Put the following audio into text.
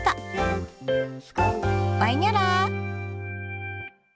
ばいにゃら。